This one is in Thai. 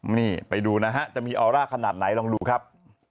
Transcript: นี่ไปดูนะฮะจะมีออร่าขนาดไหนลองดูครับ